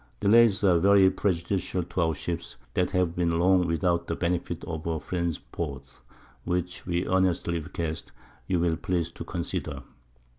_ _Delays are very prejudicial to our Ships, that have been long without the Benefit of a Friend's Port. Which we earnestly request, you'll please to consider.